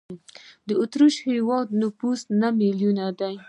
د اوترېش هېواد نفوس نه میلیونه دی.